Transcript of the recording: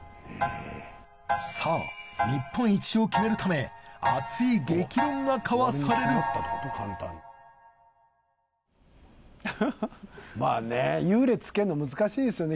さあ日本一を決めるため熱い激論が交わされるまあね優劣つけるの難しいですよね。